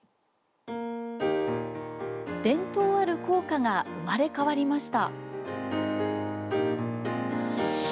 伝統ある校歌が生まれ変わりました。